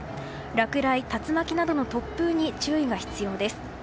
落雷、竜巻などの突風に注意が必要です。